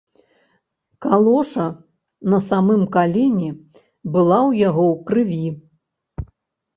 Калоша на самым калене была ў яго ў крыві.